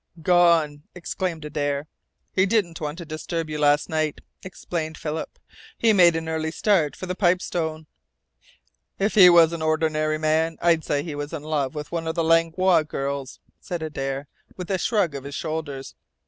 "Gone!" exclaimed Adare. "He didn't want to disturb you last night," explained Philip. "He made an early start for the Pipestone." "If he was an ordinary man, I'd say he was in love with one of the Langlois girls," said Adare, with a shrug of his shoulders.